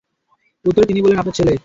উত্তরে তিনি বললেনঃ আপনার ছেলে।